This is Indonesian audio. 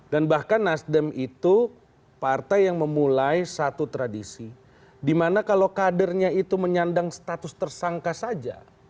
dan bahkan nasdem itu partai yang memulai satu tradisi dimana kalau kadernya itu menyandang status tersangka saja